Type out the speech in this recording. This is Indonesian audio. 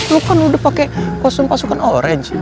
lo kan udah pake kosong pasukan orange